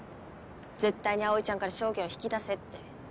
絶対に葵ちゃんから証言を引き出せって。